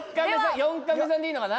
４カメさんでいいのかな？